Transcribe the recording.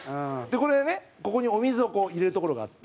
これね、ここにお水を入れる所があって。